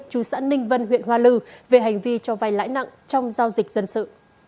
trù sãn ninh vân huyện hoa lư về hành vi cho vai lãi nặng trong giao dịch dân sự